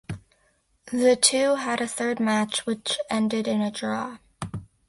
The two had a third match, which ended in a draw.